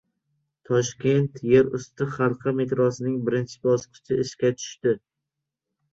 Toshkent yerusti halqa metrosining birinchi bosqichi ishga tushdi